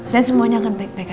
dan semuanya akan baik baik aja